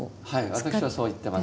私はそう言ってます。